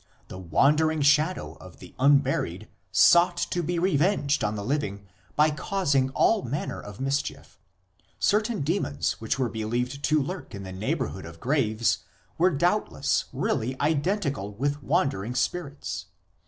The wandering shadow of the unburied sought to be revenged on the living by causing all manner of mischief ... certain demons which were believed to lurk in the neighbourhood of graves were doubtless really identical with wandering spirits.